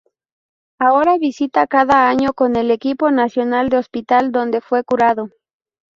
Ahora visita cada año con el equipo nacional el hospital donde fue curado.